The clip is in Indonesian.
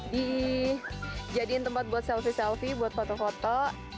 dijadikan tempat buat selfie selfie buat foto foto